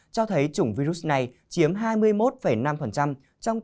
cho thấy chủng virus này chiếm hai mươi một năm trong tổng số các trường hợp ca mắc omicron mới